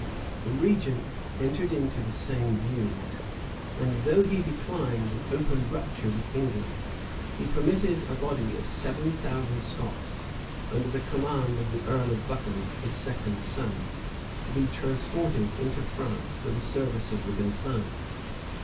The regent entered into the same views; and though he declined an open rupture with England, he permitted a body of seven thousand Scots, under the command of the earl of Buchan, his second son, to be transported into France for the service of the dauphin.